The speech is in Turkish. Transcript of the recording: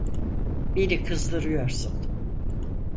Beni kızdırıyorsun.